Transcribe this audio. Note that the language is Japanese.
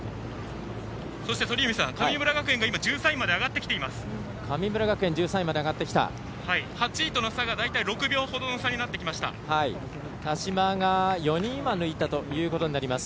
そして神村学園が１３位まで上がってきています。